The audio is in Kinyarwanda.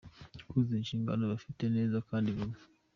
Kuzuza inshingano bafite neza kandi vuba.